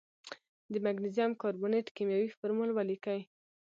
د مګنیزیم کاربونیټ کیمیاوي فورمول ولیکئ.